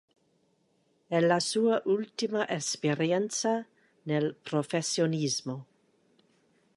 È la sua ultima esperienza nel professionismo.